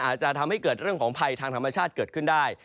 อาจจะทำให้เกิดเรื่องของภัยทางธรรมชาติเกิดขึ้นได้